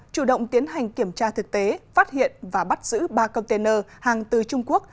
chủ động tiến hành kiểm tra thực tế phát hiện và bắt giữ ba container hàng từ trung quốc